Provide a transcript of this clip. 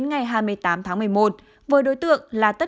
thông tin thông tin thông tin thông tin thông tin